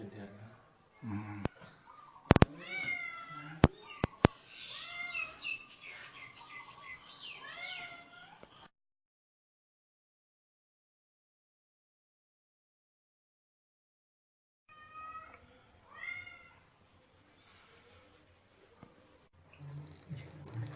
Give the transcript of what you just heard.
นี่เนี้ยงั้นที่